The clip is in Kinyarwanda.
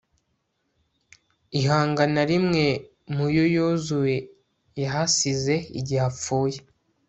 ihanga na rimwe mu yo yozuwe yahasize igihe apfuye